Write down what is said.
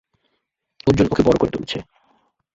অর্জুন, ওকে বড়ো করে তুলেছে।